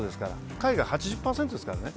海外８０％ですからね。